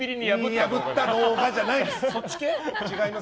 破った動画じゃないです。